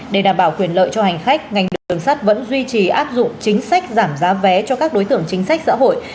để đảm bảo quyền lợi cho hành khách ngành đường sắt vẫn duy trì áp dụng chính sách giảm giá vé cho các đối tượng chính sách xã hội